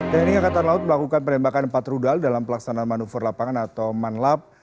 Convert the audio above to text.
tni angkatan laut melakukan penembakan empat rudal dalam pelaksanaan manuver lapangan atau manlap